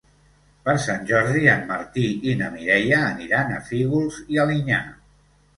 Per Sant Jordi en Martí i na Mireia aniran a Fígols i Alinyà.